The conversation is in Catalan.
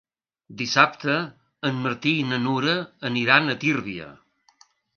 Dissabte en Martí i na Nura aniran a Tírvia.